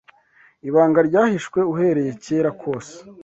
ibanga ryahishwe uhereye kera kose.